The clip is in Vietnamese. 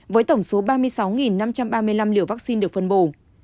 với tổng số ba mươi sáu năm trăm ba mươi năm liều vaccine được phân bổ